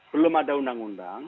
belum ada undang undang